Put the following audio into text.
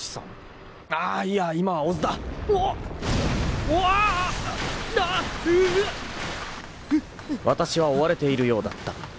［私は追われているようだった］